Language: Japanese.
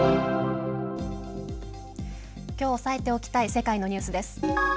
きょう押さえておきたい世界のニュースです。